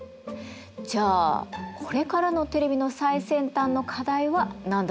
じゃあこれからのテレビの最先端の課題は何だと思う？